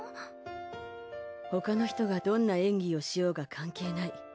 ほかの人がどんな演技をしようが関係ない。